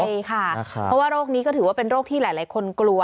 ใช่ค่ะเพราะว่าโรคนี้ก็ถือว่าเป็นโรคที่หลายคนกลัว